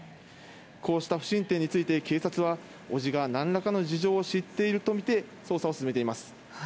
こうした不審点について警察は伯父が何らかの事情を知っているとみて捜査を進めています。